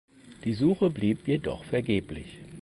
Die Suche blieb jedoch vergeblich.